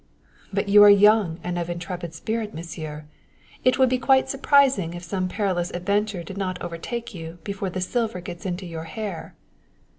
"But you are young and of intrepid spirit, Monsieur. It would be quite surprising if some perilous adventure did not overtake you before the silver gets in your hair."